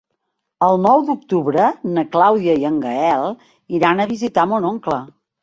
El nou d'octubre na Clàudia i en Gaël iran a visitar mon oncle.